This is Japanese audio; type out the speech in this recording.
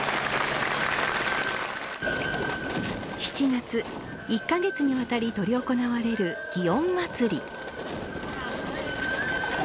７月、１か月に渡り執り行われる祇園祭。